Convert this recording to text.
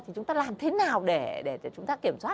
thì chúng ta làm thế nào để chúng ta kiểm soát